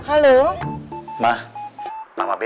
oke udah betul ya